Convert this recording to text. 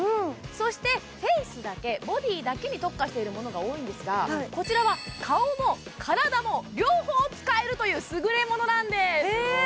そしてフェースだけボディーだけに特化しているものが多いんですがこちらは顔も体も両方使えるというすぐれものなんです